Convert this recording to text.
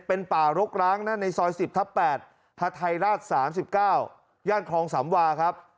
เป็นป่ารกร้างในซอยสิบทับแปดพระไทรราชสามสิบเก้าย่านครองสำวาครับ